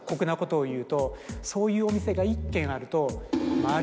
そういうお店が１軒あると。